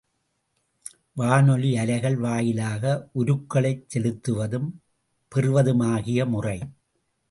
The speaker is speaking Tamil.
வானொலி அலைகள் வாயிலாக உருக்களைச் செலுத்துவதும் பெறுவதுமாகிய முறை.